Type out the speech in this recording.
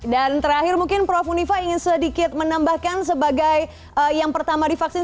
terakhir mungkin prof unifah ingin sedikit menambahkan sebagai yang pertama divaksin